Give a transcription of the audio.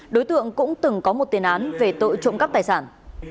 đối tượng cũng từng có một tiền án về tội trộm cắp tài sản